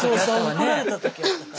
怒られた時あったから。